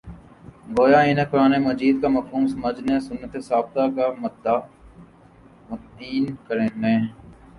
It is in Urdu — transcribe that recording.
گویا انھیں قرآنِ مجیدکامفہوم سمجھنے، سنتِ ثابتہ کا مدعا متعین کرنے